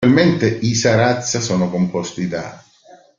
Attualmente i Sa Razza sono composti da